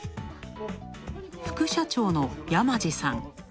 副社長の山地さん。